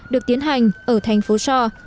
được tiến hành ở thành phố so